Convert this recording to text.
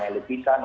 berarti nyaman ya